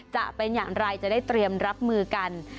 จะเป็นอย่างไรจะได้เตรียมรับมือกัน